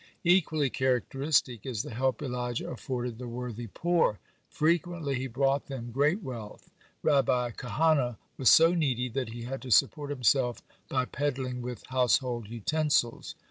(52) Equally characteristic is the help Elijah afforded the worthy poor. Frequently he brought them great wealth. Rabbi Kahana was so needy that he had to support himself by peddling with household utensils.